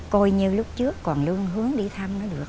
coi như lúc trước còn lương hướng đi thăm nó được